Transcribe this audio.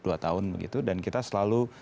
dua tahun begitu dan kita selalu